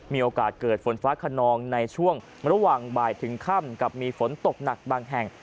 มีโอกาสเกิดฝนฟ้าขนองในช่วงระหว่างบ่ายถึงค่ำกับมีฝนตกหนักบางแห่ง